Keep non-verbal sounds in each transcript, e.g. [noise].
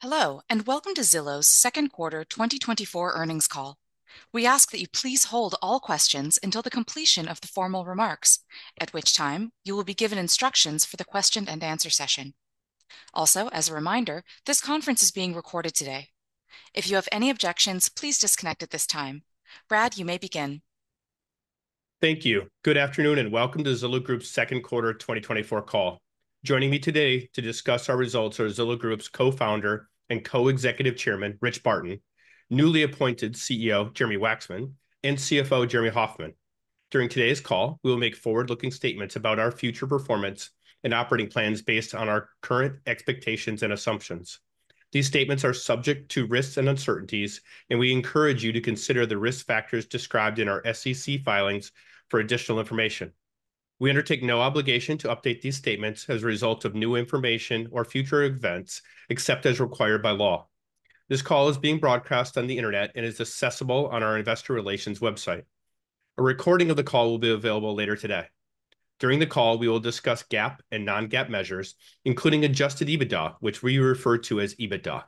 Hello, and welcome to Zillow's second quarter 2024 earnings call. We ask that you please hold all questions until the completion of the formal remarks, at which time you will be given instructions for the question-and-answer session. Also, as a reminder, this conference is being recorded today. If you have any objections, please disconnect at this time. Brad, you may begin. Thank you. Good afternoon and welcome to Zillow Group's second quarter 2024 call. Joining me today to discuss our results are Zillow Group's co-founder and co-executive chairman, Rich Barton, newly appointed CEO, Jeremy Wacksman, and CFO, Jeremy Hofmann. During today's call, we will make forward-looking statements about our future performance and operating plans based on our current expectations and assumptions. These statements are subject to risks and uncertainties, and we encourage you to consider the risk factors described in our SEC filings for additional information. We undertake no obligation to update these statements as a result of new information or future events, except as required by law. This call is being broadcast on the internet and is accessible on our investor relations website. A recording of the call will be available later today. During the call, we will discuss GAAP and non-GAAP measures, including Adjusted EBITDA, which we refer to as EBITDA.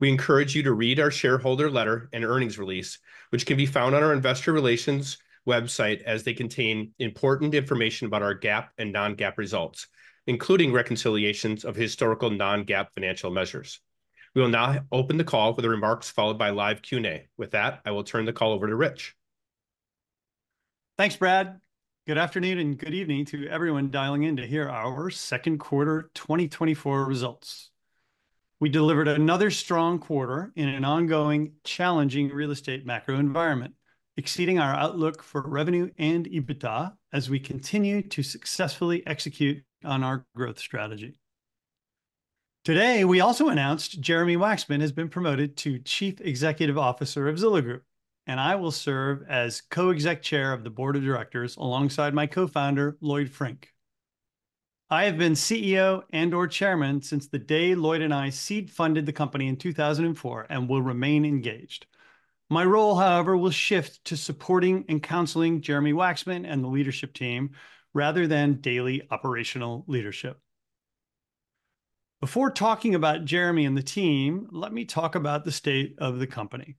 We encourage you to read our shareholder letter and earnings release, which can be found on our investor relations website, as they contain important information about our GAAP and non-GAAP results, including reconciliations of historical non-GAAP financial measures. We will now open the call for the remarks followed by live Q&A. With that, I will turn the call over to Rich. Thanks, Brad. Good afternoon and good evening to everyone dialing in to hear our second quarter 2024 results. We delivered another strong quarter in an ongoing, challenging real estate macro environment, exceeding our outlook for revenue and EBITDA as we continue to successfully execute on our growth strategy. Today, we also announced Jeremy Wacksman has been promoted to Chief Executive Officer of Zillow Group, and I will serve as Co-Exec Chair of the Board of Directors alongside my co-founder, Lloyd Frink. I have been CEO and/or chairman since the day Lloyd and I seed funded the company in 2004 and will remain engaged. My role, however, will shift to supporting and counseling Jeremy Wacksman and the leadership team rather than daily operational leadership. Before talking about Jeremy and the team, let me talk about the state of the company.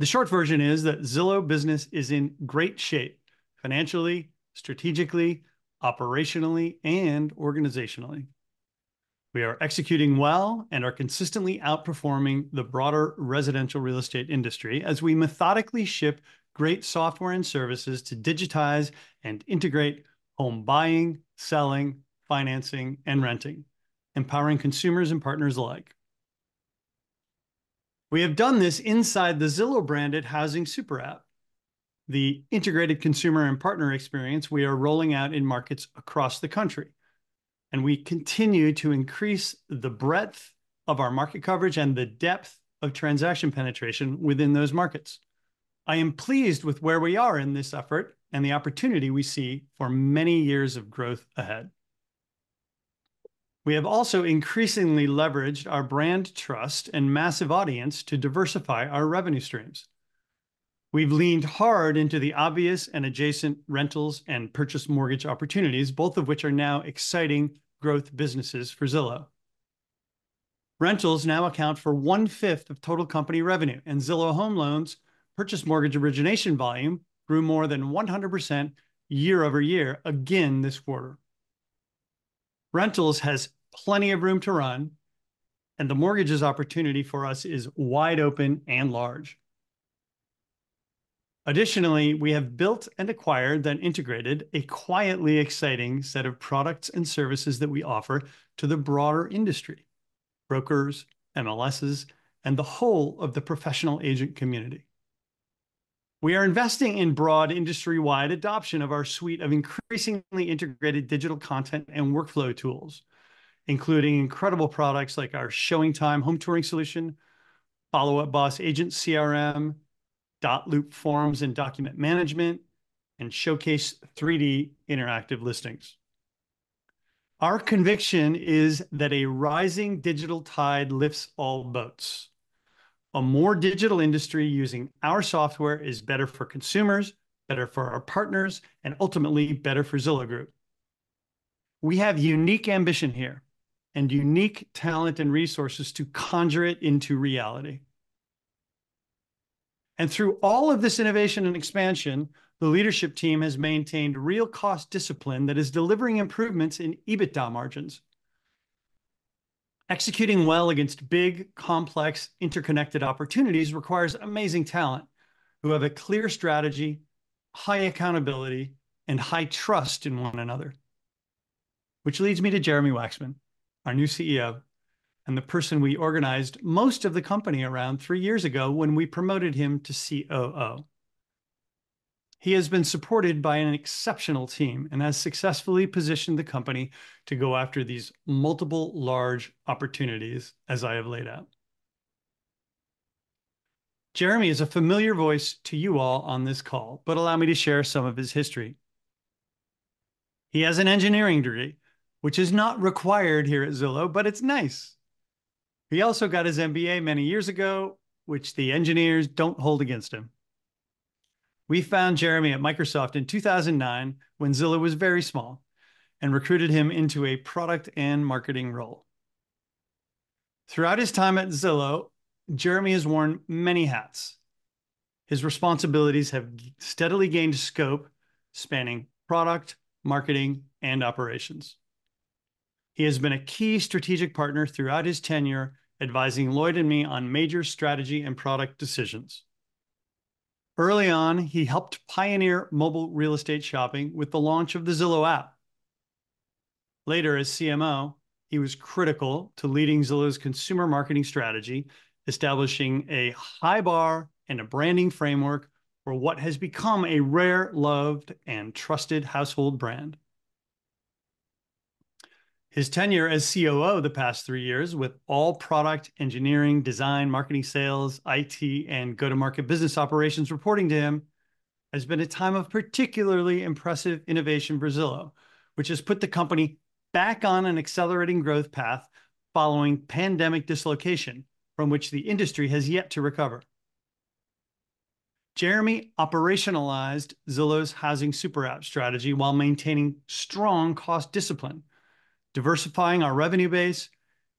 The short version is that Zillow business is in great shape financially, strategically, operationally, and organizationally. We are executing well and are consistently outperforming the broader residential real estate industry as we methodically ship great software and services to digitize and integrate home buying, selling, financing, and renting, empowering consumers and partners alike. We have done this inside the Zillow-branded Housing Super App. The integrated consumer and partner experience we are rolling out in markets across the country, and we continue to increase the breadth of our market coverage and the depth of transaction penetration within those markets. I am pleased with where we are in this effort and the opportunity we see for many years of growth ahead. We have also increasingly leveraged our brand trust and massive audience to diversify our revenue streams. We've leaned hard into the obvious and adjacent rentals and purchase mortgage opportunities, both of which are now exciting growth businesses for Zillow. Rentals now account for one-fifth of total company revenue, and Zillow Home Loans' purchase mortgage origination volume grew more than 100% year-over-year again this quarter. Rentals has plenty of room to run, and the mortgage's opportunity for us is wide open and large. Additionally, we have built and acquired, then integrated, a quietly exciting set of products and services that we offer to the broader industry, brokers, MLSs, and the whole of the professional agent community. We are investing in broad industry-wide adoption of our suite of increasingly integrated digital content and workflow tools, including incredible products like our ShowingTime home touring solution, Follow Up Boss Agent CRM, Dotloop forms and document management, and Showcase 3D interactive listings. Our conviction is that a rising digital tide lifts all boats. A more digital industry using our software is better for consumers, better for our partners, and ultimately better for Zillow Group. We have unique ambition here and unique talent and resources to conjure it into reality. And through all of this innovation and expansion, the leadership team has maintained real cost discipline that is delivering improvements in EBITDA margins. Executing well against big, complex, interconnected opportunities requires amazing talent who have a clear strategy, high accountability, and high trust in one another, which leads me to Jeremy Wacksman, our new CEO and the person we organized most of the company around three years ago when we promoted him to COO. He has been supported by an exceptional team and has successfully positioned the company to go after these multiple large opportunities as I have laid out. Jeremy is a familiar voice to you all on this call, but allow me to share some of his history. He has an engineering degree, which is not required here at Zillow, but it's nice. He also got his MBA many years ago, which the engineers don't hold against him. We found Jeremy at Microsoft in 2009 when Zillow was very small and recruited him into a product and marketing role. Throughout his time at Zillow, Jeremy has worn many hats. His responsibilities have steadily gained scope, spanning product, marketing, and operations. He has been a key strategic partner throughout his tenure, advising Lloyd and me on major strategy and product decisions. Early on, he helped pioneer mobile real estate shopping with the launch of the Zillow app. Later, as CMO, he was critical to leading Zillow's consumer marketing strategy, establishing a high bar and a branding framework for what has become a rare, loved, and trusted household brand. His tenure as COO the past three years with all product, engineering, design, marketing, sales, IT, and go-to-market business operations reporting to him has been a time of particularly impressive innovation for Zillow, which has put the company back on an accelerating growth path following pandemic dislocation from which the industry has yet to recover. Jeremy operationalized Zillow's Housing Super App strategy while maintaining strong cost discipline, diversifying our revenue base,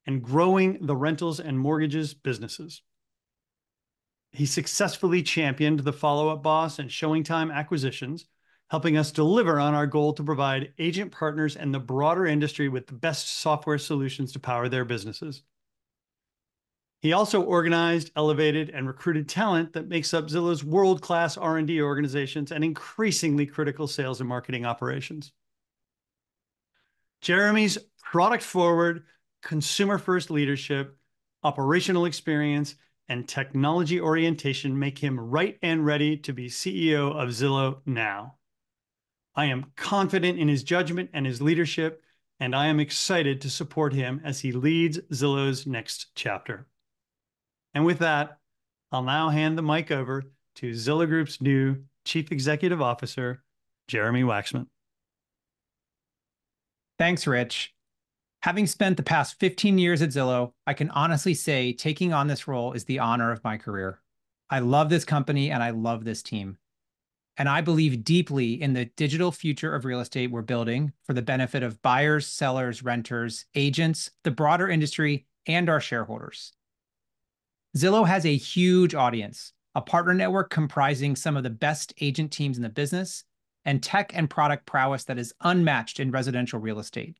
and growing the rentals and mortgages businesses. He successfully championed the Follow Up Boss and ShowingTime acquisitions, helping us deliver on our goal to provide agent partners and the broader industry with the best software solutions to power their businesses. He also organized, elevated, and recruited talent that makes up Zillow's world-class R&D organizations and increasingly critical sales and marketing operations. Jeremy's product-forward, consumer-first leadership, operational experience, and technology orientation make him right and ready to be CEO of Zillow now. I am confident in his judgment and his leadership, and I am excited to support him as he leads Zillow's next chapter. With that, I'll now hand the mic over to Zillow Group's new Chief Executive Officer, Jeremy Wacksman. Thanks, Rich. Having spent the past 15 years at Zillow, I can honestly say taking on this role is the honor of my career. I love this company and I love this team, and I believe deeply in the digital future of real estate we're building for the benefit of buyers, sellers, renters, agents, the broader industry, and our shareholders. Zillow has a huge audience, a partner network comprising some of the best agent teams in the business, and tech and product prowess that is unmatched in residential real estate.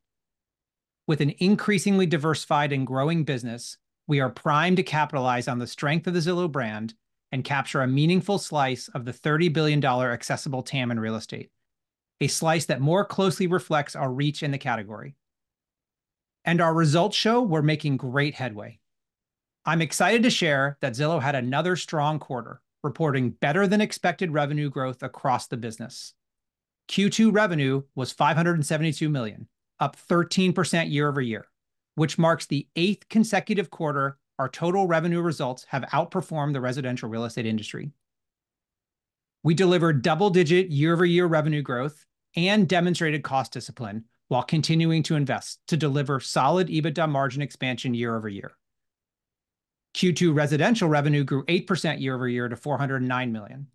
With an increasingly diversified and growing business, we are primed to capitalize on the strength of the Zillow brand and capture a meaningful slice of the $30 billion accessible TAM in real estate, a slice that more closely reflects our reach in the category. And our results show we're making great headway. I'm excited to share that Zillow had another strong quarter, reporting better-than-expected revenue growth across the business. Q2 revenue was $572 million, up 13% year-over-year, which marks the eighth consecutive quarter our total revenue results have outperformed the residential real estate industry. We delivered double-digit year-over-year revenue growth and demonstrated cost discipline while continuing to invest to deliver solid EBITDA margin expansion year-over-year. Q2 residential revenue grew 8% year-over-year to $409 million.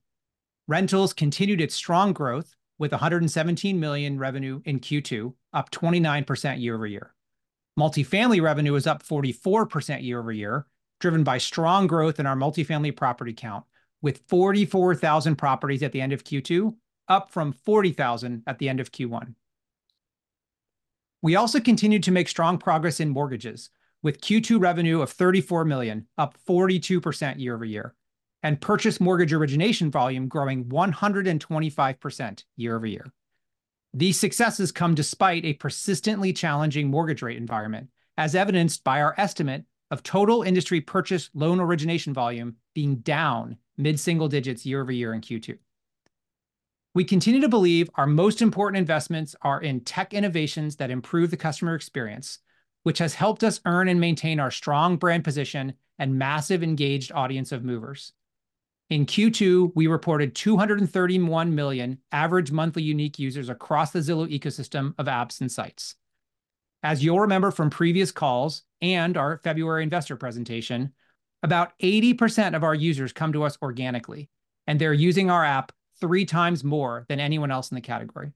Rentals continued its strong growth with $117 million revenue in Q2, up 29% year-over-year. Multifamily revenue was up 44% year-over-year, driven by strong growth in our multifamily property count, with 44,000 properties at the end of Q2, up from 40,000 at the end of Q1. We also continued to make strong progress in mortgages, with Q2 revenue of $34 million, up 42% year-over-year, and purchase mortgage origination volume growing 125% year-over-year. These successes come despite a persistently challenging mortgage rate environment, as evidenced by our estimate of total industry purchase loan origination volume being down mid-single digits year-over-year in Q2. We continue to believe our most important investments are in tech innovations that improve the customer experience, which has helped us earn and maintain our strong brand position and massive engaged audience of movers. In Q2, we reported 231 million average monthly unique users across the Zillow ecosystem of apps and sites. As you'll remember from previous calls and our February investor presentation, about 80% of our users come to us organically, and they're using our app 3x more than anyone else in the category.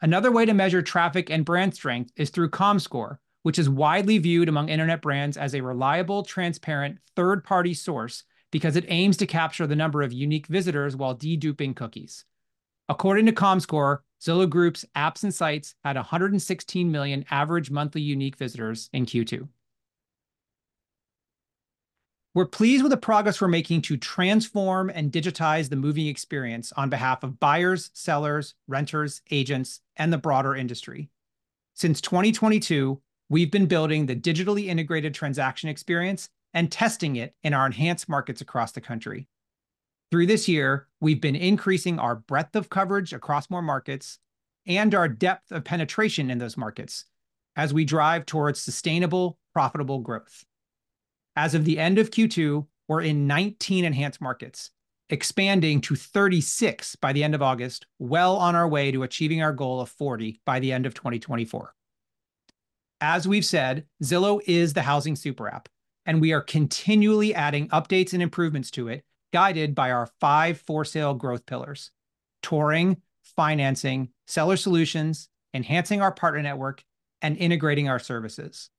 Another way to measure traffic and brand strength is through Comscore, which is widely viewed among internet brands as a reliable, transparent third-party source because it aims to capture the number of unique visitors while deduping cookies. According to Comscore, Zillow Group's apps and sites had 116 million average monthly unique visitors in Q2. We're pleased with the progress we're making to transform and digitize the moving experience on behalf of buyers, sellers, renters, agents, and the broader industry. Since 2022, we've been building the digitally integrated transaction experience and testing it in our Enhanced Markets across the country. Through this year, we've been increasing our breadth of coverage across more markets and our depth of penetration in those markets as we drive towards sustainable, profitable growth. As of the end of Q2, we're in 19 Enhanced Markets, expanding to 36 by the end of August, well on our way to achieving our goal of 40 by the end of 2024. As we've said, Zillow is the housing super app, and we are continually adding updates and improvements to it, guided by our five for-sale growth pillars: touring, financing, seller solutions, enhancing our partner network, and integrating our services.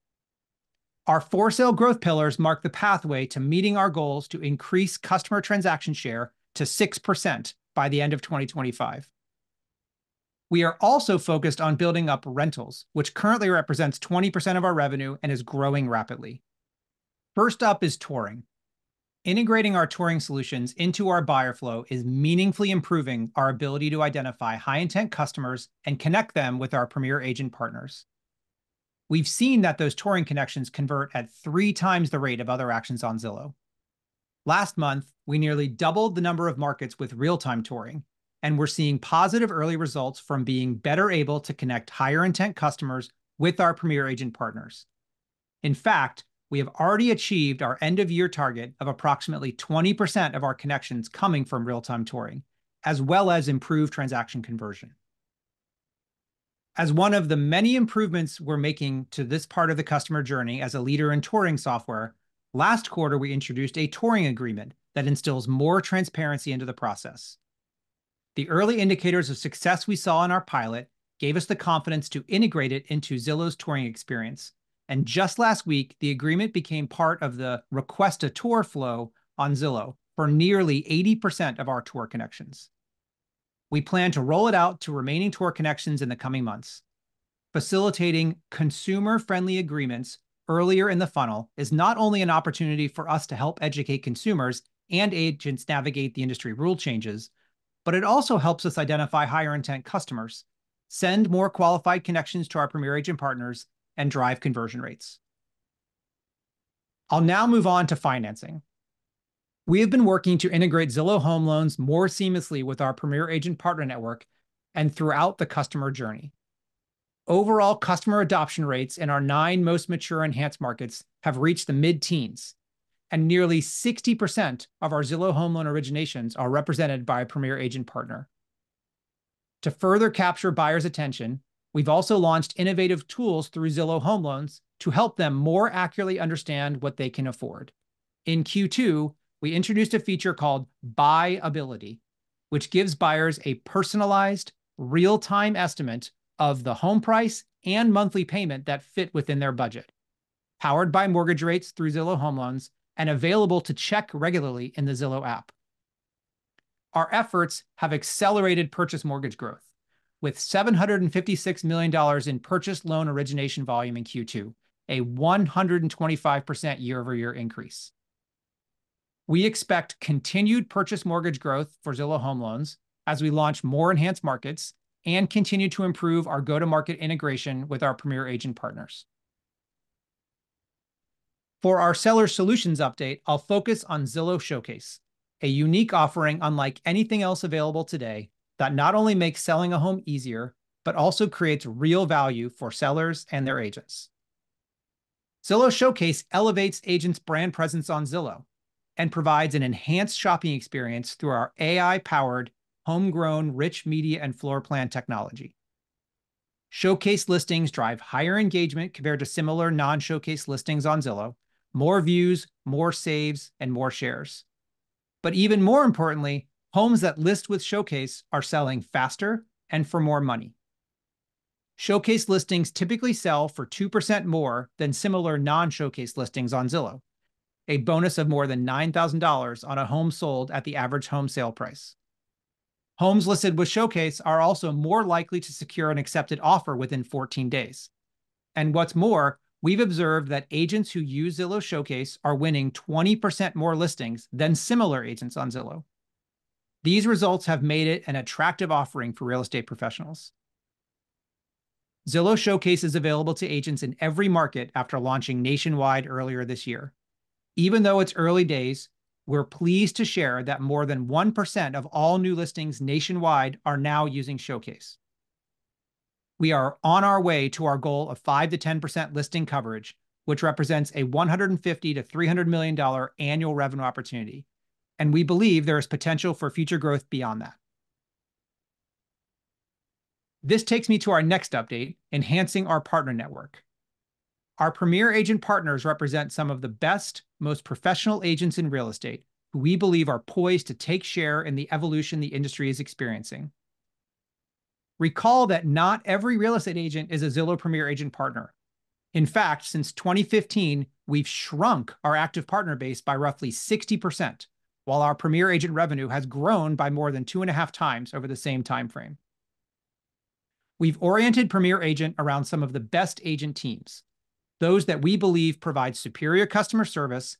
Our for-sale growth pillars mark the pathway to meeting our goals to increase customer transaction share to 6% by the end of 2025. We are also focused on building up rentals, which currently represents 20% of our revenue and is growing rapidly. First up is touring. Integrating our touring solutions into our buyer flow is meaningfully improving our ability to identify high-intent customers and connect them with our Premier Agent partners. We've seen that those touring connections convert at three times the rate of other actions on Zillow. Last month, we nearly doubled the number of markets with real-time touring, and we're seeing positive early results from being better able to connect higher-intent customers with our Premier Agent partners. In fact, we have already achieved our end-of-year target of approximately 20% of our connections coming from real-time touring, as well as improved transaction conversion. As one of the many improvements we're making to this part of the customer journey as a leader in touring software, last quarter we introduced a touring agreement that instills more transparency into the process. The early indicators of success we saw in our pilot gave us the confidence to integrate it into Zillow's touring experience, and just last week, the agreement became part of the request-to-tour flow on Zillow for nearly 80% of our tour connections. We plan to roll it out to remaining tour connections in the coming months. Facilitating consumer-friendly agreements earlier in the funnel is not only an opportunity for us to help educate consumers and agents navigate the industry rule changes, but it also helps us identify higher-intent customers, send more qualified connections to our Premier Agent partners, and drive conversion rates. I'll now move on to financing. We have been working to integrate Zillow Home Loans more seamlessly with our Premier Agent partner network and throughout the customer journey. Overall customer adoption rates in our nine most mature Enhanced Markets have reached the mid-teens, and nearly 60% of our Zillow Home Loan originations are represented by a Premier Agent partner. To further capture buyers' attention, we've also launched innovative tools through Zillow Home Loans to help them more accurately understand what they can afford. In Q2, we introduced a feature called BuyAbility, which gives buyers a personalized, real-time estimate of the home price and monthly payment that fit within their budget, powered by mortgage rates through Zillow Home Loans and available to check regularly in the Zillow app. Our efforts have accelerated purchase mortgage growth, with $756 million in purchase loan origination volume in Q2, a 125% year-over-year increase. We expect continued purchase mortgage growth for Zillow Home Loans as we launch more Enhanced Markets and continue to improve our go-to-market integration with our premier agent partners. For our seller solutions update, I'll focus on Zillow Showcase, a unique offering unlike anything else available today that not only makes selling a home easier, but also creates real value for sellers and their agents. Zillow Showcase elevates agents' brand presence on Zillow and provides an enhanced shopping experience through our AI-powered, homegrown rich media and floor plan technology. Showcase listings drive higher engagement compared to similar non-Showcase listings on Zillow, more views, more saves, and more shares. But even more importantly, homes that list with Showcase are selling faster and for more money. Showcase listings typically sell for 2% more than similar non-Showcase listings on Zillow, a bonus of more than $9,000 on a home sold at the average home sale price. Homes listed with Showcase are also more likely to secure an accepted offer within 14 days. And what's more, we've observed that agents who use Zillow Showcase are winning 20% more listings than similar agents on Zillow. These results have made it an attractive offering for real estate professionals. Zillow Showcase is available to agents in every market after launching nationwide earlier this year. Even though it's early days, we're pleased to share that more than 1% of all new listings nationwide are now using Showcase. We are on our way to our goal of 5%-10% listing coverage, which represents a $150 million-$300 million annual revenue opportunity, and we believe there is potential for future growth beyond that. This takes me to our next update, enhancing our partner network. Our Premier Agent partners represent some of the best, most professional agents in real estate who we believe are poised to take share in the evolution the industry is experiencing. Recall that not every real estate agent is a Zillow Premier Agent partner. In fact, since 2015, we've shrunk our active partner base by roughly 60%, while our Premier Agent revenue has grown by more than 2.5x over the same timeframe. We've oriented Premier Agent around some of the best agent teams, those that we believe provide superior customer service,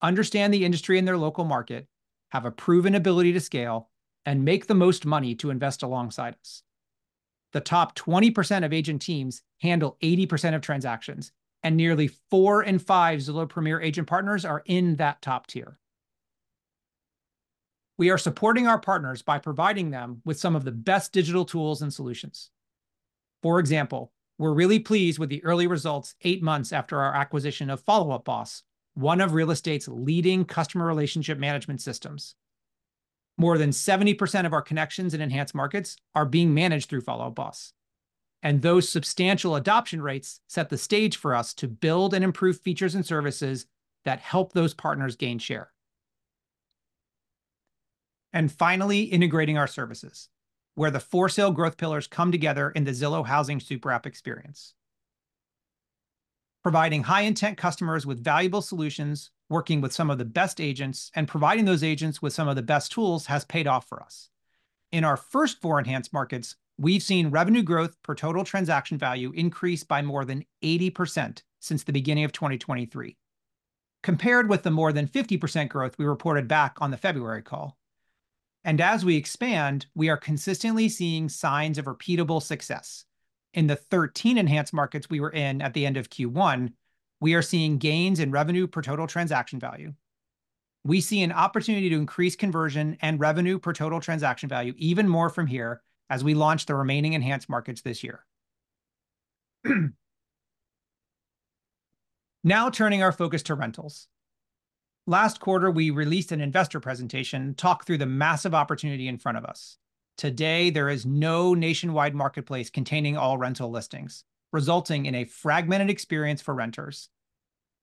understand the industry in their local market, have a proven ability to scale, and make the most money to invest alongside us. The top 20% of agent teams handle 80% of transactions, and nearly 4 in 5 Zillow Premier Agent partners are in that top tier. We are supporting our partners by providing them with some of the best digital tools and solutions. For example, we're really pleased with the early results 8 months after our acquisition of Follow Up Boss, one of real estate's leading customer relationship management systems. More than 70% of our connections in Enhanced Markets are being managed through Follow Up Boss, and those substantial adoption rates set the stage for us to build and improve features and services that help those partners gain share. And finally, integrating our services, where the for-sale growth pillars come together in the Zillow Housing Super App experience. Providing high-intent customers with valuable solutions, working with some of the best agents, and providing those agents with some of the best tools has paid off for us. In our first four Enhanced Markets, we've seen revenue growth per total transaction value increase by more than 80% since the beginning of 2023, compared with the more than 50% growth we reported back on the February call. And as we expand, we are consistently seeing signs of repeatable success. In the 13 Enhanced Markets we were in at the end of Q1, we are seeing gains in revenue per total transaction value. We see an opportunity to increase conversion and revenue per total transaction value even more from here as we launch the remaining Enhanced Markets this year. Now turning our focus to rentals. Last quarter, we released an investor presentation to talk through the massive opportunity in front of us. Today, there is no nationwide marketplace containing all rental listings, resulting in a fragmented experience for renters.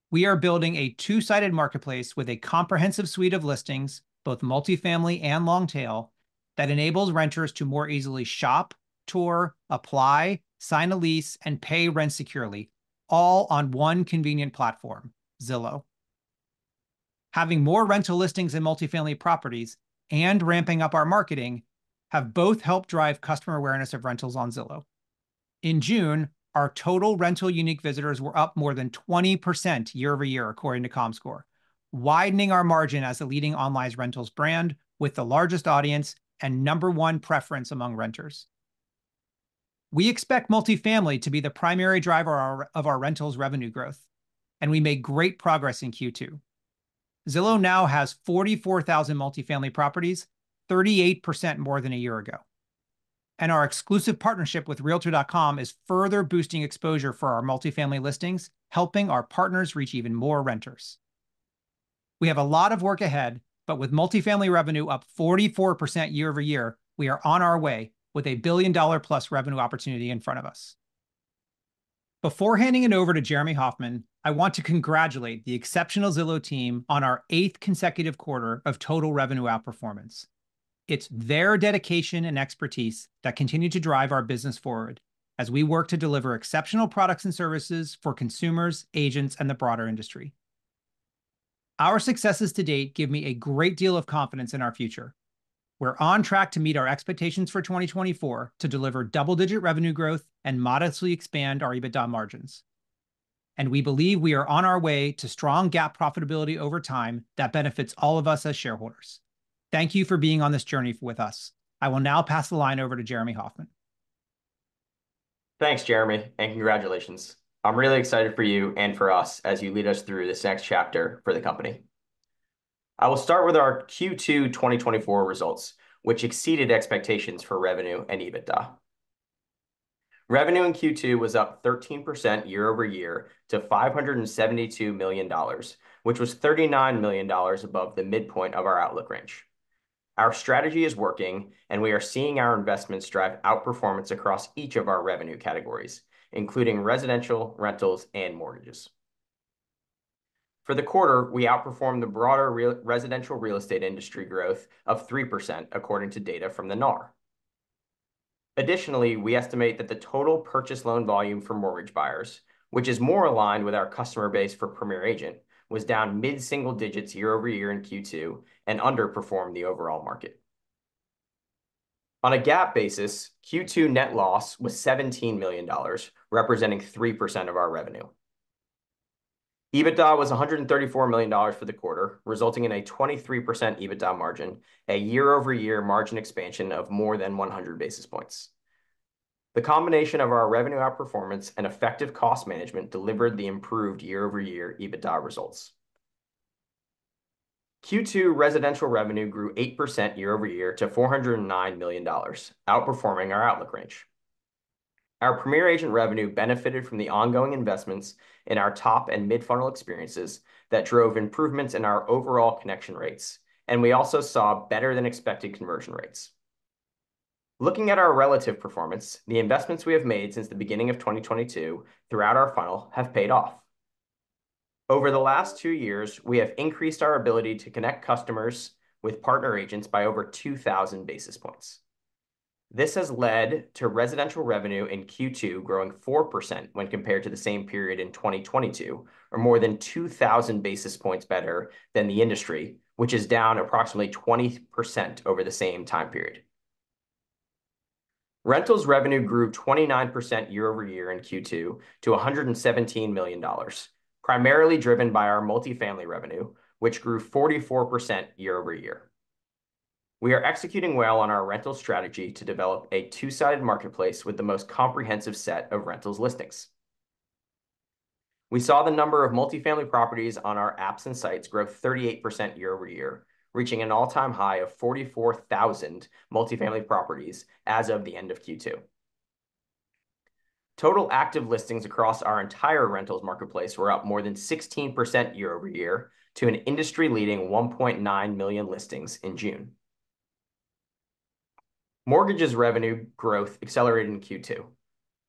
We are building a two-sided marketplace with a comprehensive suite of listings, both multifamily and long-tail, that enables renters to more easily shop, tour, apply, sign a lease, and pay rent securely, all on one convenient platform, Zillow. Having more rental listings in multifamily properties and ramping up our marketing have both helped drive customer awareness of rentals on Zillow. In June, our total rental unique visitors were up more than 20% year-over-year, according to Comscore, widening our margin as the leading online rentals brand with the largest audience and number one preference among renters. We expect multifamily to be the primary driver of our rentals revenue growth, and we made great progress in Q2. Zillow now has 44,000 multifamily properties, 38% more than a year ago. Our exclusive partnership with Realtor.com is further boosting exposure for our multifamily listings, helping our partners reach even more renters. We have a lot of work ahead, but with multifamily revenue up 44% year-over-year, we are on our way with a billion-dollar-plus revenue opportunity in front of us. Before handing it over to Jeremy Hofmann, I want to congratulate the exceptional Zillow team on our eighth consecutive quarter of total revenue outperformance. It's their dedication and expertise that continue to drive our business forward as we work to deliver exceptional products and services for consumers, agents, and the broader industry. Our successes to date give me a great deal of confidence in our future. We're on track to meet our expectations for 2024 to deliver double-digit revenue growth and modestly expand our EBITDA margins. And we believe we are on our way to strong GAAP profitability over time that benefits all of us as shareholders. Thank you for being on this journey with us. I will now pass the line over to Jeremy Hofmann. Thanks, Jeremy, and congratulations. I'm really excited for you and for us as you lead us through this next chapter for the company. I will start with our Q2 2024 results, which exceeded expectations for revenue and EBITDA. Revenue in Q2 was up 13% year-over-year to $572 million, which was $39 million above the midpoint of our outlook range. Our strategy is working, and we are seeing our investments drive outperformance across each of our revenue categories, including residential, rentals, and mortgages. For the quarter, we outperformed the broader residential real estate industry growth of 3%, according to data from the NAR. Additionally, we estimate that the total purchase loan volume for mortgage buyers, which is more aligned with our customer base for Premier Agent, was down mid-single digits year-over-year in Q2 and underperformed the overall market. On a GAAP basis, Q2 net loss was $17 million, representing 3% of our revenue. EBITDA was $134 million for the quarter, resulting in a 23% EBITDA margin, a year-over-year margin expansion of more than 100 basis points. The combination of our revenue outperformance and effective cost management delivered the improved year-over-year EBITDA results. Q2 residential revenue grew 8% year-over-year to $409 million, outperforming our outlook range. Our Premier Agent revenue benefited from the ongoing investments in our top and mid-funnel experiences that drove improvements in our overall connection rates, and we also saw better-than-expected conversion rates. Looking at our relative performance, the investments we have made since the beginning of 2022 throughout our funnel have paid off. Over the last two years, we have increased our ability to connect customers with partner agents by over 2,000 basis points. This has led to residential revenue in Q2 growing 4% when compared to the same period in 2022, or more than 2,000 basis points better than the industry, which is down approximately 20% over the same time period. Rentals revenue grew 29% year-over-year in Q2 to $117 million, primarily driven by our multifamily revenue, which grew 44% year-over-year. We are executing well on our rental strategy to develop a two-sided marketplace with the most comprehensive set of rentals listings. We saw the number of multifamily properties on our apps and sites grow 38% year-over-year, reaching an all-time high of 44,000 multifamily properties as of the end of Q2. Total active listings across our entire rentals marketplace were up more than 16% year-over-year to an industry-leading 1.9 million listings in June. Mortgages revenue growth accelerated in Q2,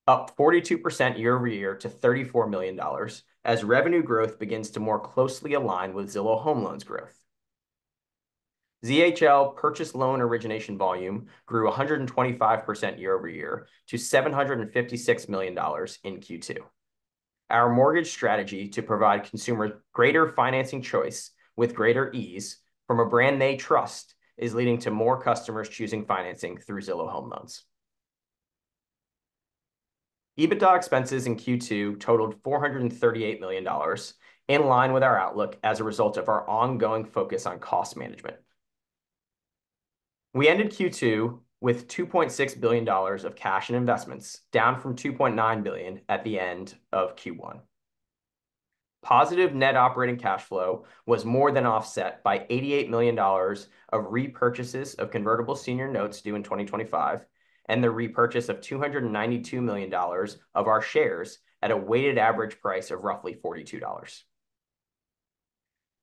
up 42% year-over-year to $34 million, as revenue growth begins to more closely align with Zillow Home Loans growth. ZHL purchase loan origination volume grew 125% year-over-year to $756 million in Q2. Our mortgage strategy to provide consumers greater financing choice with greater ease from a brand they trust is leading to more customers choosing financing through Zillow Home Loans. EBITDA expenses in Q2 totaled $438 million, in line with our outlook as a result of our ongoing focus on cost management. We ended Q2 with $2.6 billion of cash and investments, down from $2.9 billion at the end of Q1. Positive net operating cash flow was more than offset by $88 million of repurchases of Convertible Senior Notes due in 2025 and the repurchase of $292 million of our shares at a weighted average price of roughly $42.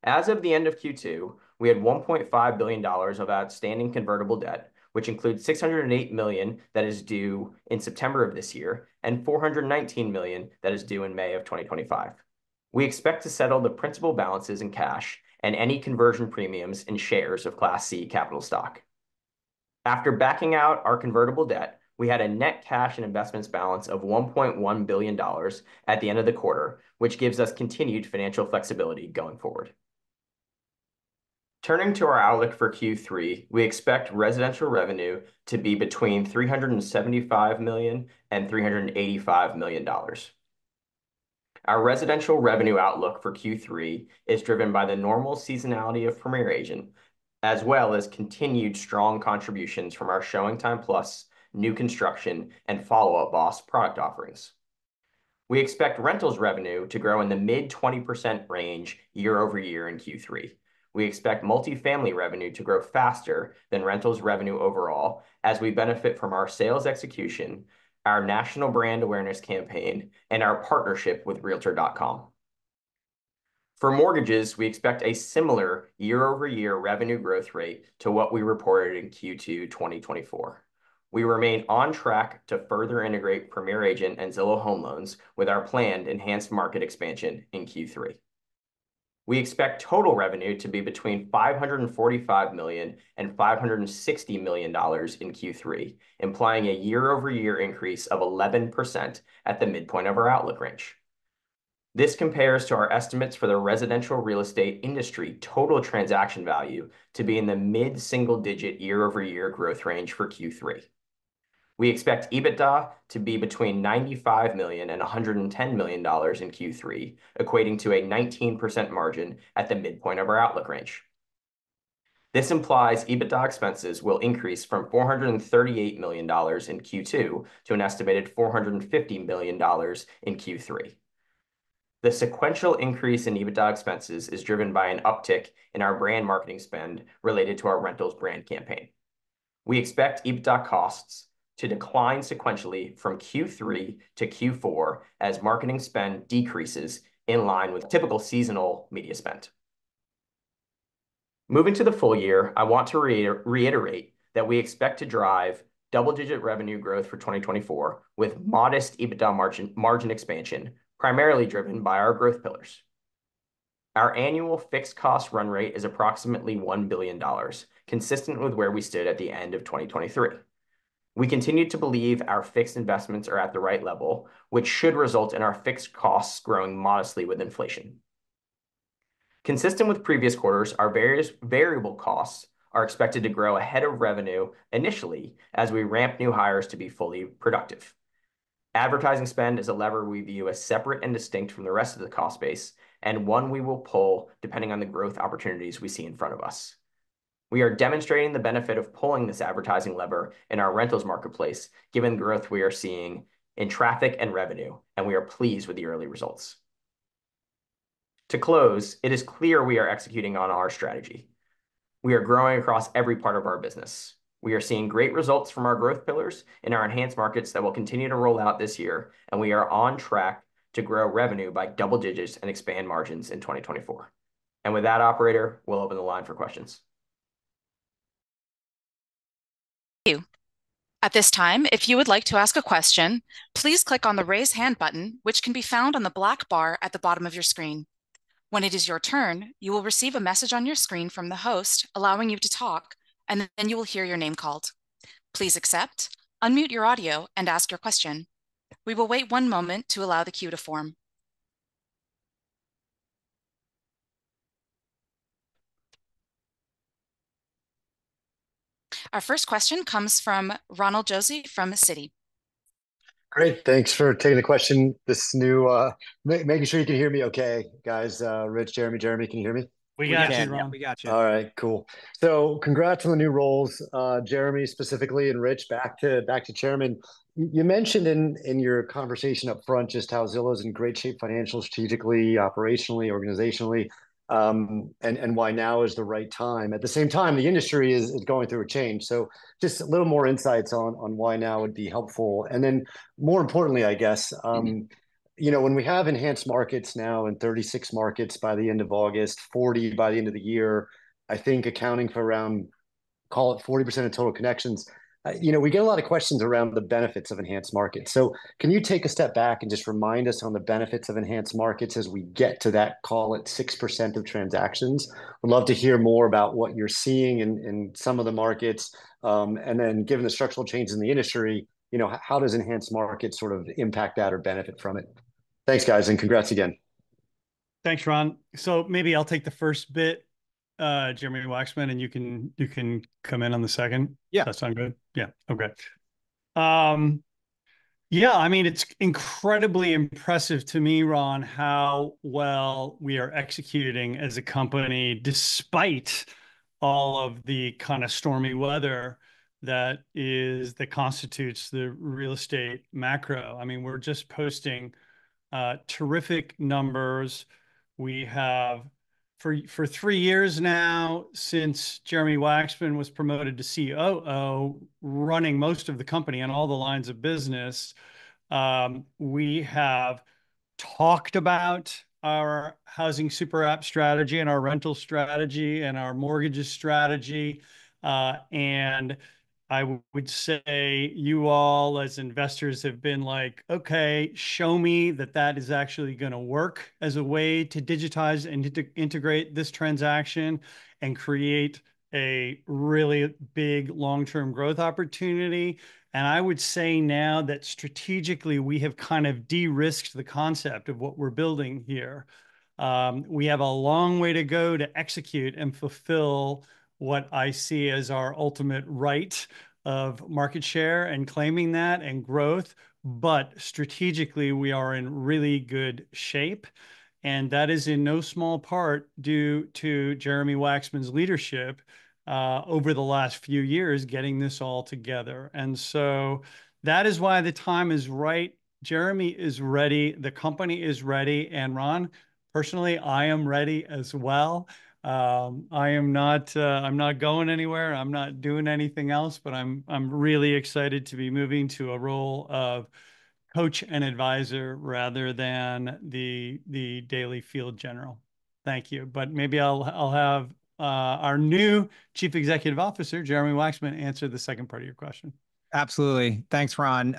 As of the end of Q2, we had $1.5 billion of outstanding convertible debt, which includes $608 million that is due in September of this year and $419 million that is due in May of 2025. We expect to settle the principal balances in cash and any conversion premiums in shares of Class C capital stock. After backing out our convertible debt, we had a net cash and investments balance of $1.1 billion at the end of the quarter, which gives us continued financial flexibility going forward. Turning to our outlook for Q3, we expect residential revenue to be between $375 million and $385 million. Our residential revenue outlook for Q3 is driven by the normal seasonality of Premier Agent, as well as continued strong contributions from our ShowingTime+, new construction, and Follow Up Boss product offerings. We expect rentals revenue to grow in the mid-20% range year-over-year in Q3. We expect multifamily revenue to grow faster than rentals revenue overall, as we benefit from our sales execution, our national brand awareness campaign, and our partnership with Realtor.com. For mortgages, we expect a similar year-over-year revenue growth rate to what we reported in Q2 2024. We remain on track to further integrate Premier Agent and Zillow Home Loans with our planned Enhanced Markets expansion in Q3. We expect total revenue to be between $545 million and $560 million in Q3, implying a year-over-year increase of 11% at the midpoint of our outlook range. This compares to our estimates for the residential real estate industry total transaction value to be in the mid-single digit year-over-year growth range for Q3. We expect EBITDA to be between $95 million and $110 million in Q3, equating to a 19% margin at the midpoint of our outlook range. This implies EBITDA expenses will increase from $438 million in Q2 to an estimated $450 million in Q3. The sequential increase in EBITDA expenses is driven by an uptick in our brand marketing spend related to our rentals brand campaign. We expect EBITDA costs to decline sequentially from Q3-Q4 as marketing spend decreases in line with typical seasonal media spend. Moving to the full year, I want to reiterate that we expect to drive double-digit revenue growth for 2024 with modest EBITDA margin expansion, primarily driven by our growth pillars. Our annual fixed cost run rate is approximately $1 billion, consistent with where we stood at the end of 2023. We continue to believe our fixed investments are at the right level, which should result in our fixed costs growing modestly with inflation. Consistent with previous quarters, our various variable costs are expected to grow ahead of revenue initially as we ramp new hires to be fully productive. Advertising spend is a lever we view as separate and distinct from the rest of the cost base and one we will pull depending on the growth opportunities we see in front of us. We are demonstrating the benefit of pulling this advertising lever in our rentals marketplace, given the growth we are seeing in traffic and revenue, and we are pleased with the early results. To close, it is clear we are executing on our strategy. We are growing across every part of our business. We are seeing great results from our growth pillars in our Enhanced Markets that will continue to roll out this year, and we are on track to grow revenue by double digits and expand margins in 2024. And with that, operator, we'll open the line for questions. Thank you. At this time, if you would like to ask a question, please click on the raise hand button, which can be found on the black bar at the bottom of your screen. When it is your turn, you will receive a message on your screen from the host allowing you to talk, and then you will hear your name called. Please accept, unmute your audio, and ask your question. We will wait one moment to allow the queue to form. Our first question comes from Ronald Josey from Citizens JMP. All right, thanks for taking the question. Making sure you can hear me okay, guys. Rich, Jeremy, Jeremy, can you hear me? We got you, Ronald, we got you. [crosstalk] All right, cool. So congrats on the new roles, Jeremy specifically, and Rich, back to back to chairman. You mentioned in your conversation upfront just how Zillow's in great shape, financial, strategically, operationally, organizationally, and why now is the right time. At the same time, the industry is going through a change. So just a little more insights on why now would be helpful. And then, more importantly, I guess, you know, when we have Enhanced Markets now in 36 markets by the end of August, 40 by the end of the year, I think accounting for around, call it 40% of total connections. You know, we get a lot of questions around the benefits of Enhanced Markets. So can you take a step back and just remind us on the benefits of Enhanced Markets as we get to that, call it 6% of transactions? We'd love to hear more about what you're seeing in some of the markets. and then given the structural change in the industry, you know, how does Enhanced Markets sort of impact that or benefit from it? Thanks, guys, and congrats again. Thanks, Ron. So maybe I'll take the first bit, Jeremy Wacksman, and you can come in on the second. Yeah, that sounds good. Yeah, okay. Yeah, I mean, it's incredibly impressive to me, Ron, how well we are executing as a company despite all of the kind of stormy weather that constitutes the real estate macro. I mean, we're just posting terrific numbers. We have, for three years now, since Jeremy Wacksman was promoted to COO, running most of the company and all the lines of business, we have talked about our Housing Super App strategy and our rental strategy and our mortgages strategy. And I would say you all, as investors, have been like, okay, show me that that is actually going to work as a way to digitize and integrate this transaction and create a really big long-term growth opportunity. And I would say now that strategically we have kind of de-risked the concept of what we're building here. We have a long way to go to execute and fulfill what I see as our ultimate right of market share and claiming that and growth, but strategically we are in really good shape. And that is in no small part due to Jeremy Wacksman's leadership, over the last few years getting this all together. And so that is why the time is right. Jeremy is ready, the company is ready, and Ron, personally, I am ready as well. I am not, I'm not going anywhere. I'm not doing anything else, but I'm really excited to be moving to a role of coach and advisor rather than the daily field general. Thank you. But maybe I'll have our new Chief Executive Officer, Jeremy Wacksman, answer the second part of your question. Absolutely. Thanks, Ron.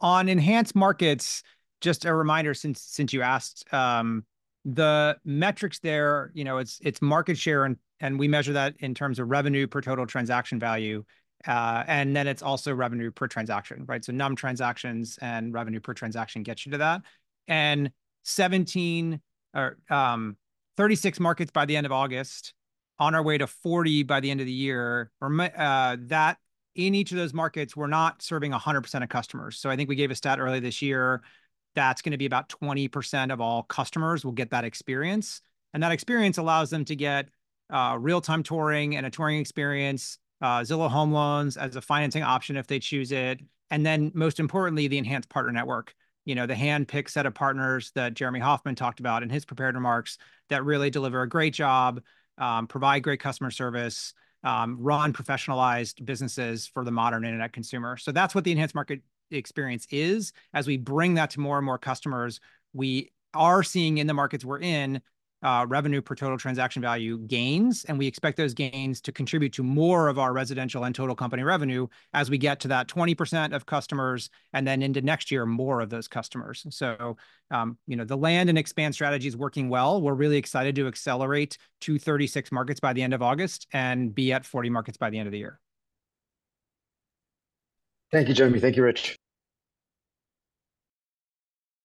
On Enhanced Markets, just a reminder since you asked, the metrics there, you know, it's market share and we measure that in terms of revenue per total transaction value. And then it's also revenue per transaction, right? So number transactions and revenue per transaction gets you to that. And 17 or 36 markets by the end of August, on our way to 40 by the end of the year, or that in each of those markets, we're not serving 100% of customers. So I think we gave a stat early this year. That's going to be about 20% of all customers will get that experience. And that experience allows them to get real-time touring and a touring experience, Zillow Home Loans as a financing option if they choose it. And then most importantly, the enhanced partner network, you know, the handpicked set of partners that Jeremy Hofmann talked about in his prepared remarks that really deliver a great job, provide great customer service, run professionalized businesses for the modern internet consumer. So that's what the enhanced market experience is. As we bring that to more and more customers, we are seeing in the markets we're in, revenue per total transaction value gains, and we expect those gains to contribute to more of our residential and total company revenue as we get to that 20% of customers and then into next year more of those customers. So, you know, the land and expand strategy is working well. We're really excited to accelerate to 36 markets by the end of August and be at 40 markets by the end of the year. Thank you, Jeremy. Thank you, Rich.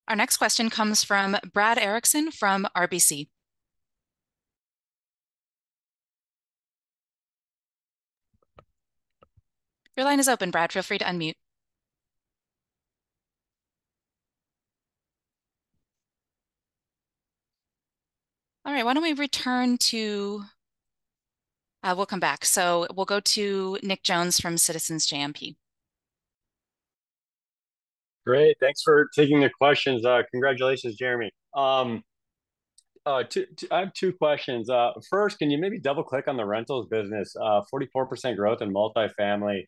Our next question comes from Brad Erickson from RBC. Your line is open, Brad. Feel free to unmute. All right, why don't we return to, we'll come back. So we'll go to Nick Jones from Citizens JMP. Great. Thanks for taking the questions. Congratulations, Jeremy. I have two questions. First, can you maybe double-click on the rentals business? 44% growth in multifamily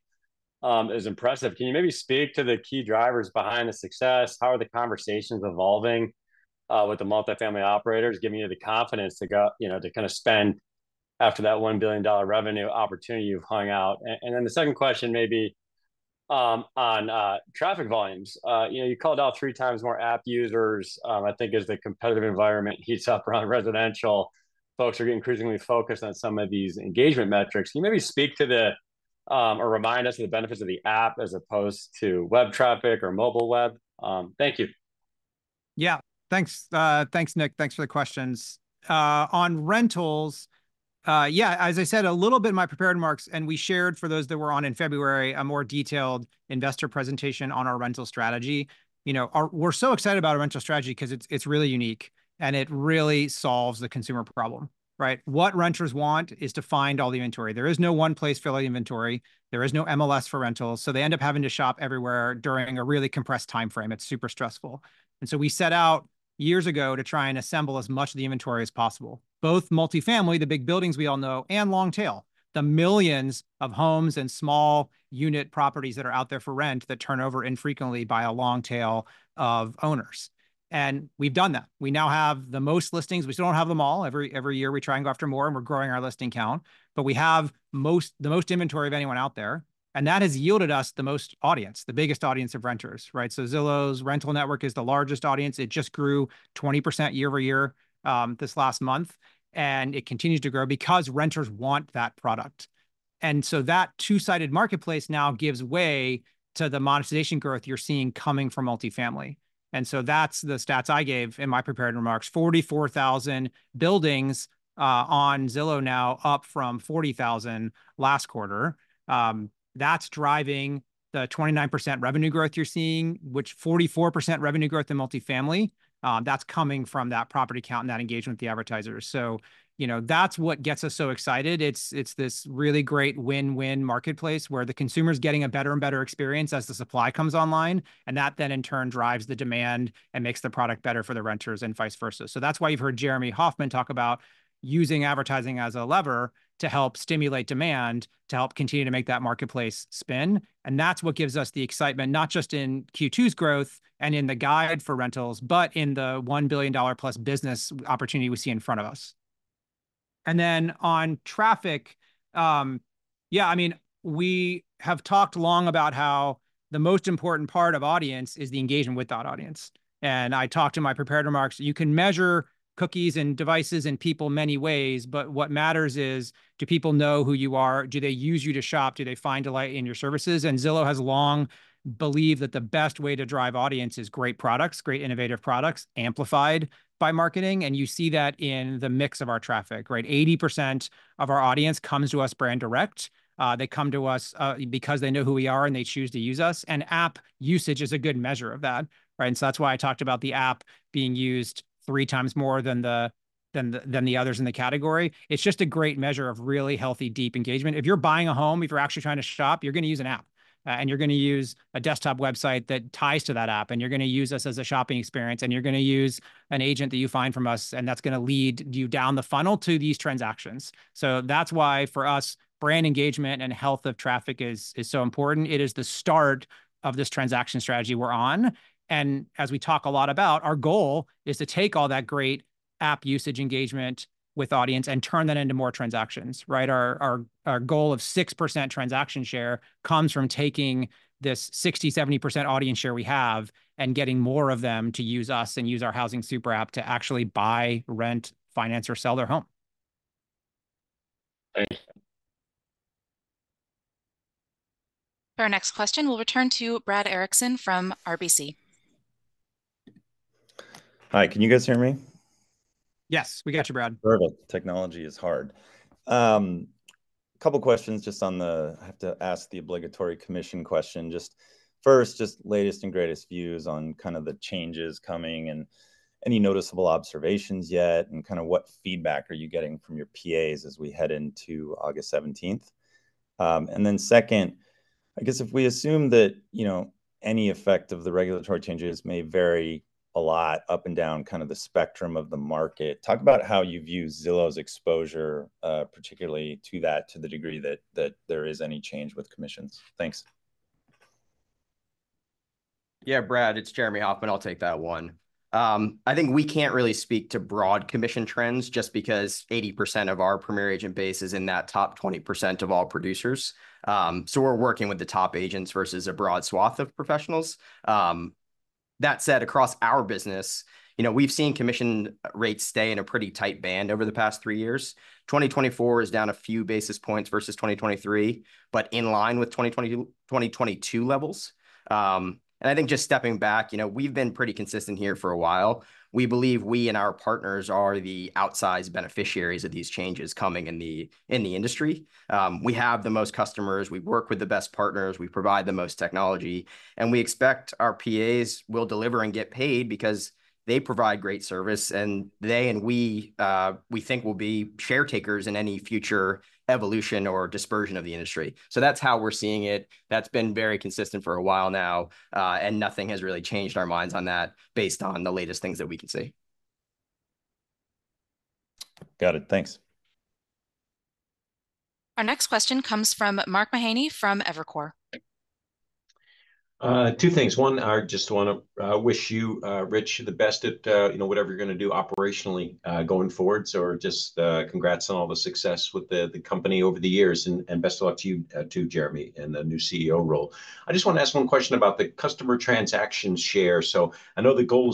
is impressive. Can you maybe speak to the key drivers behind the success? How are the conversations evolving with the multifamily operators, giving you the confidence to go, you know, to kind of spend after that $1 billion revenue opportunity you've hung out? Then the second question, maybe on traffic volumes. You know, you called out three times more app users, I think, as the competitive environment heats up around residential. Folks are getting increasingly focused on some of these engagement metrics. Can you maybe speak to the, or remind us of the benefits of the app as opposed to web traffic or mobile web? Thank you. Yeah, thanks. Thanks, Nick. Thanks for the questions. On rentals, yeah, as I said, a little bit in my prepared remarks, and we shared for those that were on in February a more detailed investor presentation on our rental strategy. You know, we're so excited about our rental strategy because it's it's really unique, and it really solves the consumer problem, right? What renters want is to find all the inventory. There is no one place for all the inventory. There is no MLS for rentals. So they end up having to shop everywhere during a really compressed timeframe. It's super stressful. And so we set out years ago to try and assemble as much of the inventory as possible, both multifamily, the big buildings we all know, and long tail, the millions of homes and small unit properties that are out there for rent that turn over infrequently by a long tail of owners. And we've done that. We now have the most listings. We still don't have them all. Every year we try and go after more, and we're growing our listing count, but we have the most inventory of anyone out there, and that has yielded us the most audience, the biggest audience of renters, right? So Zillow's rental network is the largest audience. It just grew 20% year-over-year, this last month, and it continues to grow because renters want that product. And so that two-sided marketplace now gives way to the monetization growth you're seeing coming from multifamily. And so that's the stats I gave in my prepared remarks. 44,000 buildings on Zillow now up from 40,000 last quarter. That's driving the 29% revenue growth you're seeing, which 44% revenue growth in multifamily, that's coming from that property count and that engagement with the advertisers. So, you know, that's what gets us so excited. It's this really great win-win marketplace where the consumer is getting a better and better experience as the supply comes online, and that then in turn drives the demand and makes the product better for the renters and vice versa. So that's why you've heard Jeremy Hofmann talk about using advertising as a lever to help stimulate demand, to help continue to make that marketplace spin. And that's what gives us the excitement, not just in Q2's growth and in the guide for rentals, but in the $1 billion plus business opportunity we see in front of us. And then on traffic, yeah, I mean, we have talked long about how the most important part of audience is the engagement with that audience. And I talked in my prepared remarks, you can measure cookies and devices and people many ways, but what matters is do people know who you are? Do they use you to shop? Do they find delight in your services? And Zillow has long believed that the best way to drive audience is great products, great innovative products amplified by marketing. You see that in the mix of our traffic, right? 80% of our audience comes to us brand direct. They come to us, because they know who we are and they choose to use us. App usage is a good measure of that, right? So that's why I talked about the app being used three times more than the others in the category. It's just a great measure of really healthy, deep engagement. If you're buying a home, if you're actually trying to shop, you're going to use an app, and you're going to use a desktop website that ties to that app, and you're going to use us as a shopping experience, and you're going to use an agent that you find from us, and that's going to lead you down the funnel to these transactions. So that's why for us, brand engagement and health of traffic is so important. It is the start of this transaction strategy we're on. And as we talk a lot about, our goal is to take all that great app usage engagement with audience and turn that into more transactions, right? Our goal of 6% transaction share comes from taking this 60%-70% audience share we have and getting more of them to use us and use our Housing Super App to actually buy, rent, finance, or sell their home. Thanks. For our next question, we'll return to Brad Erickson from RBC. All right, can you guys hear me? Yes, we got you, Brad. Perfect. Technology is hard. A couple of questions just on the, I have to ask the obligatory commission question. Just first, just latest and greatest views on kind of the changes coming and any noticeable observations yet and kind of what feedback are you getting from your PAs as we head into August 17th? And then second, I guess if we assume that, you know, any effect of the regulatory changes may vary a lot up and down kind of the spectrum of the market, talk about how you've used Zillow's exposure, particularly to that to the degree that that there is any change with commissions. Thanks. Yeah, Brad, it's Jeremy Hofmann. I'll take that one. I think we can't really speak to broad commission trends just because 80% of our Premier Agent base is in that top 20% of all producers. So we're working with the top agents versus a broad swath of professionals. That said, across our business, you know, we've seen commission rates stay in a pretty tight band over the past three years. 2024 is down a few basis points versus 2023, but in line with 2022 levels. And I think just stepping back, you know, we've been pretty consistent here for a while. We believe we and our partners are the outsized beneficiaries of these changes coming in the in the industry. We have the most customers. We work with the best partners. We provide the most technology. And we expect our PAs will deliver and get paid because they provide great service. And they and we, we think will be share takers in any future evolution or dispersion of the industry. So that's how we're seeing it. That's been very consistent for a while now, and nothing has really changed our minds on that based on the latest things that we can see. Got it. Thanks. Our next question comes from Mark Mahaney from Evercore. Two things. One, I just want to wish you, Rich, the best at, you know, whatever you're going to do operationally, going forward. So just, congrats on all the success with the company over the years. And best of luck to you, too, Jeremy, in the new CEO role. I just want to ask one question about the customer transaction share. So I know the goal